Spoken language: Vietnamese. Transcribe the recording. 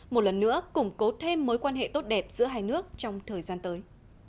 một lần nữa củng cố thêm mối quan hệ tốt đẹp giữa hai nước trong thời gian tới